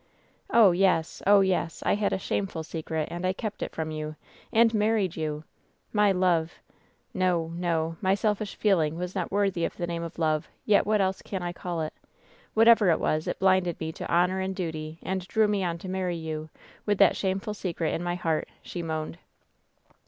"Oh, yes I oh, yes ! I had a shameful secret, and I kept it from you, and married you I My love No, no ! my selfish feeling was not worthy of the name of love, yet what else can I call it ? Whatever it was, it blinded me to honor and duty and drew me on to marry you, with that shameful secret in my heart," she moaned.